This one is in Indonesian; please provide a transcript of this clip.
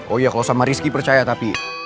oh ya kalau sama rizky percaya tapi